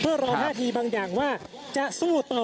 เพื่อรอท่าทีบางอย่างว่าจะสู้ต่อ